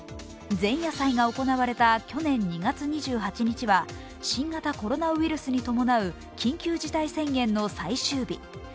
前夜祭が行われた去年２月２８日は新型コロナウイルスに伴う緊急事態宣言の最終日。